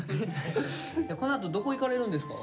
このあとどこ行かれるんですか？